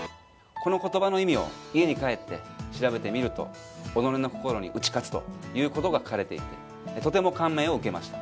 この言葉の意味を家に帰って調べてみると「己の心に打ち勝つ」ということが書かれていてとても感銘を受けました。